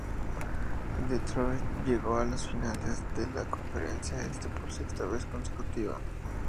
Detroit llegó a las finales de la Conferencia Este por sexta vez consecutiva.